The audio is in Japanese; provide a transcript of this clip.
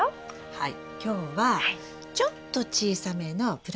はい。